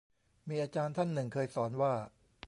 มีอาจารย์ท่านหนึ่งเคยสอนว่า